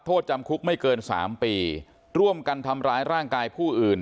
โทษจำคุกไม่เกินสามปีร่วมกันทำร้ายร่างกายผู้อื่น